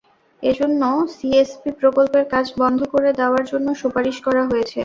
এজন্য সিএসপি প্রকল্পের কাজ বন্ধ করে দেওয়ার জন্য সুপারিশ করা হয়েছে।